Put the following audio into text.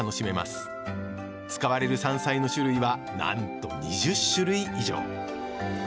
使われる山菜の種類はなんと２０種類以上。